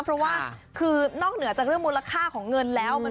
พอว่านอกเหนือจากเรื่องราคาของเงินแล้ว